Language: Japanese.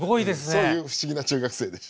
そういう不思議な中学生でした。